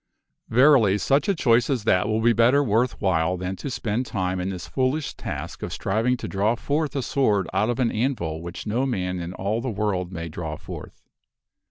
Verily, such a choice as that will be better worth while than to spend time in this foolish task of striving to draw forth a sword out of an anvil which no man in all the world may draw forth."